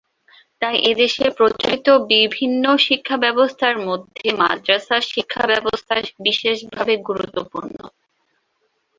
তাই এদেশে প্রচলিত বিভিন্ন শিক্ষাব্যবস্থার মধ্যে মাদরাসা শিক্ষাব্যবস্থা বিশেষভাবে গুরুত্বপূর্ণ।